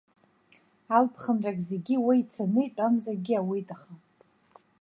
Алԥхынрак зегьы уа ицаны итәамзаргьы ауеит аха.